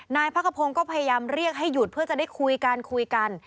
นายพักขพงศ์ก็พยายามเรียกให้หยุดเพื่อจะได้คุยกันคุยกัน